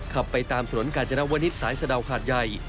ขับไปตามถนนกาญจนวนิษฐ์สายสะดาวหาดใหญ่